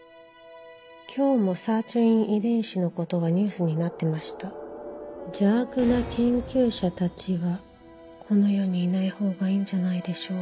「今日もサーチュイン遺伝子のことが「邪悪な研究者たちはこの世にいないほうがいいんじゃないでしょうか？」